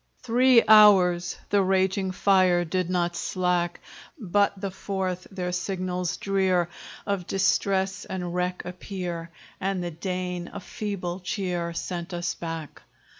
Three hours the raging fire Did not slack; But the fourth, their signals drear Of distress and wreck appear, And the Dane a feeble cheer Sent us back.